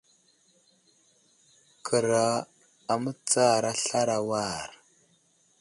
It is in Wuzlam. Kəra a mətsar aslar a war.